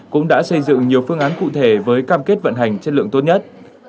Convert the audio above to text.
cũng đã xây dựng nhiều phương án cụ thể với cam kết vận hành chất lượng tốt nhất